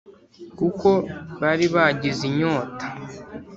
kuko bari baragize inyota